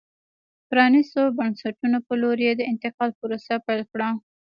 پرانیستو بنسټونو په لور یې د انتقال پروسه پیل کړه.